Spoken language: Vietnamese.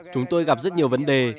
chúng tôi gặp rất nhiều vấn đề